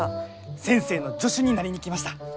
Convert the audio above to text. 先生の助手になりに来ました。